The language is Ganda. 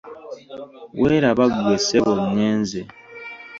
Weeraba ggwe ssebo ngenze.